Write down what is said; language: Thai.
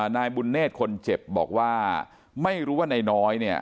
นายบุญเนธคนเจ็บบอกว่าไม่รู้ว่านายน้อยเนี่ย